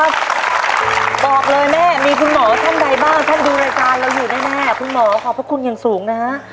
บอกเลยแม่มีคุณหมอท่านใดบ้างท่านดูรายการเราอยู่แน่คุณหมอขอบพระคุณอย่างสูงนะฮะ